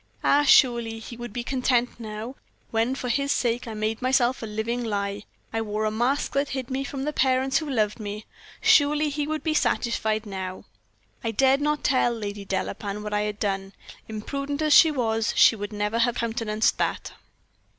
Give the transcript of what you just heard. Ah, surely he would be content now, when for his sake I made myself a living lie I wore a mask that hid me from the parents who loved me surely he would be satisfied now! I dared not tell Lady Delapain what I had done. Imprudent as she was, she would never have countenanced that.